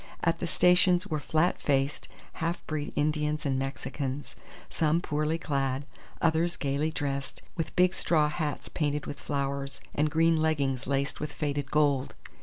At the stations were flat faced, half breed Indians and Mexicans; some poorly clad, others gaily dressed, with big straw hats painted with flowers, and green leggings laced with faded gold.